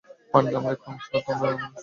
পান্ডা আমার একটা অংশ, আর তোমরাও আমার অংশ।